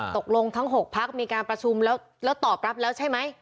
ตกลงทั้ง๖พักมีการประชุมแล้วตอบรับแล้วใช่ไหม